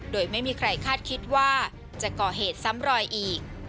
โดยไม่มีใครคาดคิดว่าจะก่อเหตุซ้ำรอยอีก